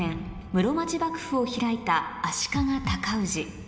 室町幕府を開いた足利尊氏